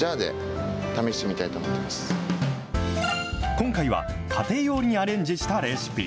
今回は家庭用にアレンジしたレシピ。